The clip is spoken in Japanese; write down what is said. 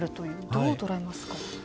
どう捉えますか？